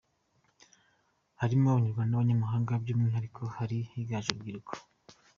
Harimo Abanyarwanda n'abanyamahanga by'umwihariko hari higanje urubyiruko.